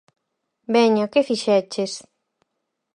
Veña, que fixeches?